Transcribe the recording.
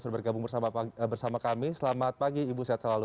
sudah bergabung bersama kami selamat pagi ibu sehat selalu